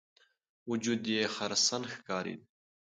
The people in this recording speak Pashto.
وجود یې خرسن ښکارېده.